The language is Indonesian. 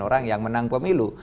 orang yang menang pemilu